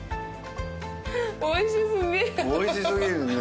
おいしすぎるね。